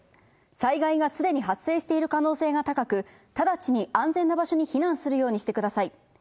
災害がすでに発生している可能性が高く、直ちに安全な場所に避難するようにしてください。